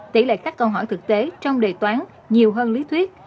tỷ lệ các câu hỏi thực tế trong đề toán nhiều hơn lý thuyết